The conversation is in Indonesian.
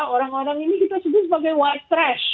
orang orang ini kita sebut sebagai white stress